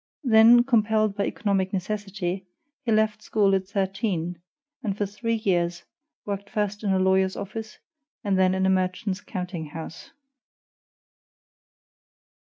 Then, compelled by economic necessity, he left school at thirteen, and for three years worked first in a lawyer's office, and then in a merchant's counting house.